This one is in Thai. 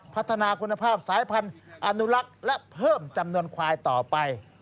พัฒนาคุณภาพสายพันธุ์อนุรักษ์และเพิ่มจำนวนควายต่อไป